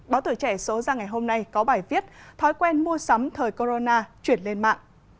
báo tuổi trẻ số ra ngày hôm nay có bài viết thói quen mua sắm thời corona chuyển lên mạng